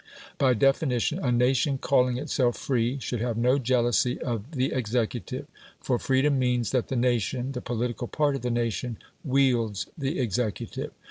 By definition, a nation calling itself free should have no jealousy of the executive, for freedom means that the nation, the political part of the nation, wields the executive.